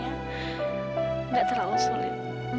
enggak terlalu sulit